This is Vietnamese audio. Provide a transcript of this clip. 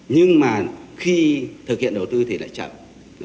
nhưng mà khi thực hiện đầu tư thì lại chậm